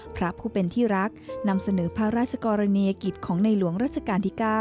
พระผู้เป็นที่รักนำเสนอพระราชกรณียกิจของในหลวงรัชกาลที่๙